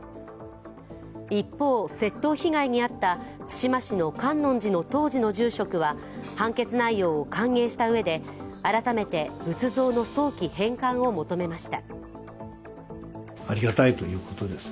一方、窃盗被害に遭った対馬市の観音寺の当時の住職は判決内容を歓迎したうえで改めて仏像の早期返還を求めました。